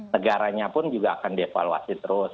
negaranya pun juga akan dievaluasi terus